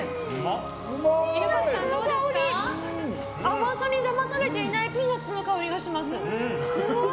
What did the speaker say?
甘さにだまされていないピーナツの香りがします。